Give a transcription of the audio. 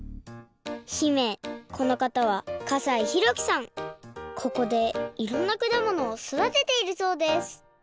姫このかたはここでいろんなくだものをそだてているそうです